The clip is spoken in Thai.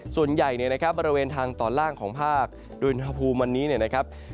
ส่วนใหญ่เนี่ยนะครับบริเวณทางตอนล่างของภาคโดยอุณหภูมิวันนี้เนี่ยนะครับ